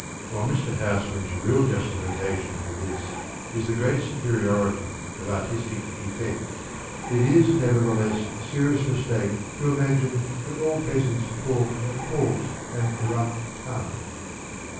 While Mr. Housman's real justification for this is the great superiority of artistic effect, it is nevertheless a serious mistake to imagine that all peasants talk a THE NEW POETRY, ETC 227 coarse and corrupt tongue.